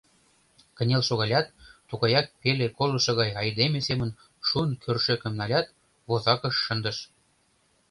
Кынел шогалят, тугаяк пеле колышо гай айдеме семын шун кӧршӧкым налят, возакыш шындыш.